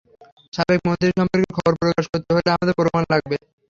সাবেক মন্ত্রী সম্পর্কে খবর প্রকাশ করতে হলে আমাদের প্রমাণ লাগবে।